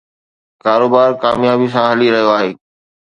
ڪاروبار ڪاميابي سان هلي رهيو آهي